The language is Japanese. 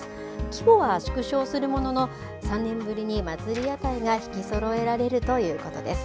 規模は縮小するものの、３年ぶりに祭り屋台がひきそろえられるということです。